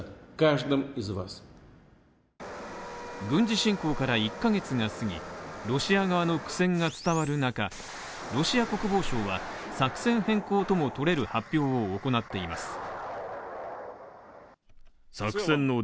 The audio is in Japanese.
軍事侵攻から１カ月がすぎロシア側の苦戦が伝わる中ロシア国防省は、作戦変更ともとれる発表を行っています。